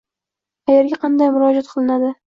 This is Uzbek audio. Qayerga qanday murojaat qilinadi?